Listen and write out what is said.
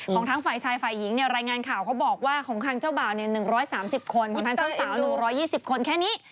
ทั้งฝ่ายชายฝ่ายหญิงเนี่ยรายงานข่าวเขาบอกว่าของทางเจ้าบ่าว๑๓๐คนของทั้งเจ้าสาวดู๑๒๐คนแค่นี้